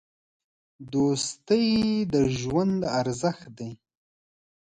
دوستي د ژوند ارزښت دی.